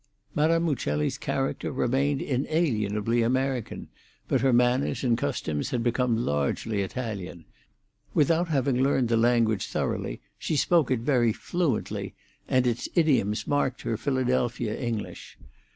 Madame Uccelli's character remained inalienably American, but her manners and customs had become largely Italian; without having learned the language thoroughly, she spoke it very fluently, and its idioms marked her Philadelphia English.